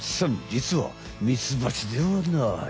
じつはミツバチではない！